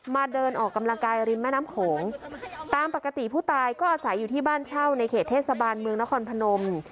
เดินออกกำลังกายริมแม่น้ำโขงตามปกติผู้ตายก็อาศัยอยู่ที่บ้านเช่าในเขตเทศบาลเมืองนครพนม